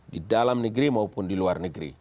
di dalam negeri maupun di luar negeri